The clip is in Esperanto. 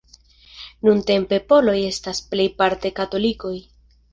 Nuntempe Poloj estas plejparte katolikoj.